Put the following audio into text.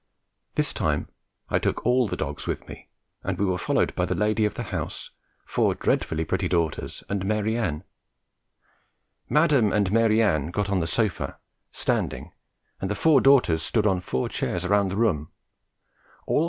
This time I took all the dogs with me, and we were followed by the lady of the house, four dreadfully pretty daughters and "Mary Ann." Madam and Mary Ann got on the sofa, standing, and the four daughters stood on four chairs round the room.